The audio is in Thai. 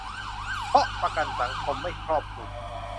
เพราะประกันสังคมไม่ครอบคลุม